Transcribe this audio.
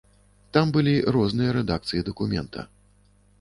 Там былі розныя рэдакцыі дакумента.